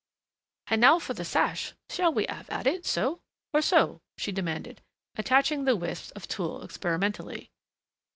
"H'and now for the sash shall we 'ave it so or so?" she demanded, attaching the wisp of tulle experimentally.